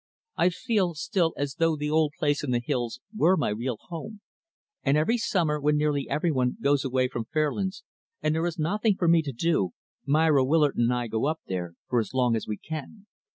I feel, still, as though the old place in the hills were my real home, and every summer, when nearly every one goes away from Fairlands and there is nothing for me to do, Myra Willard and I go up there, for as long as we can.